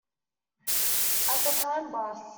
At the time, Bus.